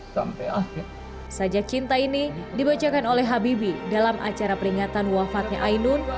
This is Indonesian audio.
sampai akhir saja cinta ini dibacakan oleh habibie dalam acara peringatan wafatnya ainun